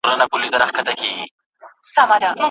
په مالي چارو کي عدل وکړئ.